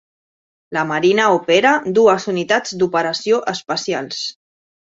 La Marina Opera dues unitats d'operació especials.